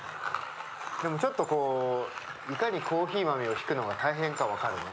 でもちょっとこういかにコーヒー豆をひくのが大変か分かるね。